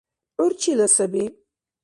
ГӀур чила саби?